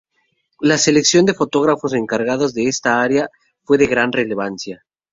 La selección de fotógrafos encargados de esa tarea fue de gran relevancia.